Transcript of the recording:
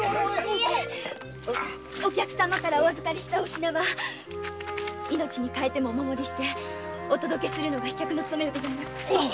いいえお客様からお預かりしたお品は命に代えてもお守りしてお届けするのが飛脚のつとめです。